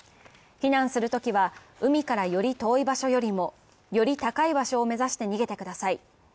避難するときは海からより遠い場所よりもより高い場所を目指して逃げてください。